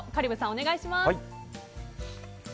お願いします。